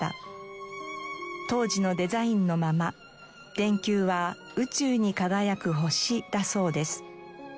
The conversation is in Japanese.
当時のデザインのまま電球は宇宙に輝く星だそうです。